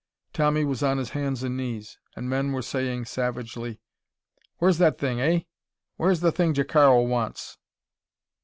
Tommy was on his hands and knees, and men were saying savagely: "Where's that thing, hey? Where's th' thing Jacaro wants?"